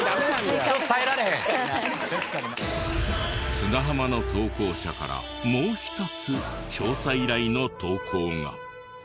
砂浜の投稿者からもう１つ調査依頼の投稿が。